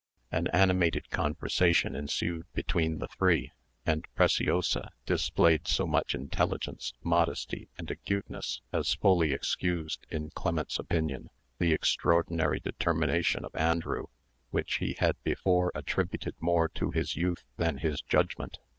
An animated conversation ensued between the three; and Preciosa displayed so much intelligence, modesty, and acuteness, as fully excused, in Clement's opinion, the extraordinary determination of Andrew, which he had before attributed more to his youth than his judgment.